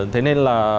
thế nên là